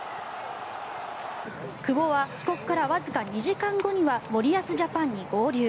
久保は帰国からわずか２時間後には森保ジャパンに合流。